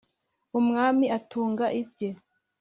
umwami atunga ibye,